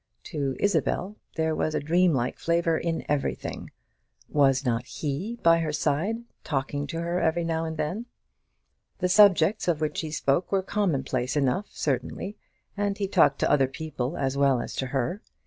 To Isabel there was a dream like flavour in everything. Was not he by her side, talking to her every now and then? The subjects of which he spoke were commonplace enough, certainly, and he talked to other people as well as to her.